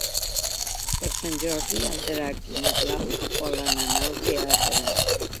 Per Sant Jordi en Drac i na Blau volen anar al teatre.